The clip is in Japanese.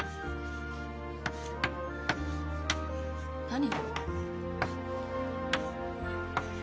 何？